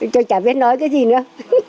cho chả biết nói cái gì nữa